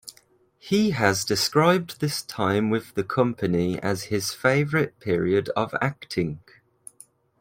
He has described this time with the company as his favorite period of acting.